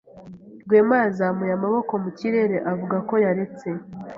Rwema yazamuye amaboko mu kirere avuga ko yaretse.